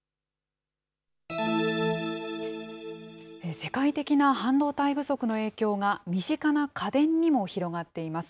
世界的な半導体不足の影響が身近な家電にも広がっています。